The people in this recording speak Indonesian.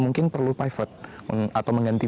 mungkin perlu pivot atau mengganti